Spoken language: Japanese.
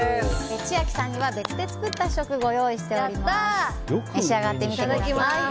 千秋さんには、別で作った試食ご用意しております。